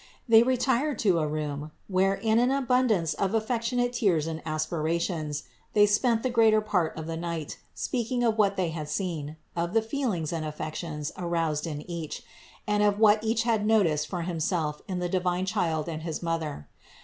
They retired to a room where, in an abundance of affectionate tears and aspirations, they spent the greater part of the night, speaking of what they had seen, of the feelings and affections aroused in each, and of what each had noticed for himself in the divine Child and his Mother.